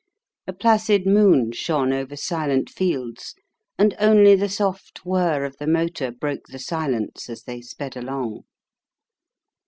A placid moon shone over silent fields, and only the soft whirr of the motor broke the silence as they sped along.